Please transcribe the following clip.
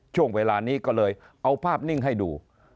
ช่วงเวลานี้ก็เลยเอาภาพนิ่งให้ดู